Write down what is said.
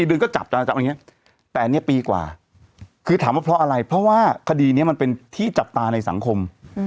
เดือนก็จับอย่างนี้แต่อันนี้ปีกว่าคือถามว่าเพราะอะไรเพราะว่าคดีนี้มันเป็นที่จับตาในสังคม